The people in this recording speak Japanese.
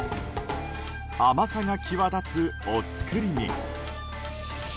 甘さが際立つお造りに。